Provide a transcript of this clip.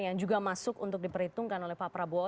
yang juga masuk untuk diperhitungkan oleh pak prabowo